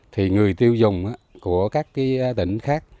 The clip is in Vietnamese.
thì người tiêu dùng của các tỉnh khác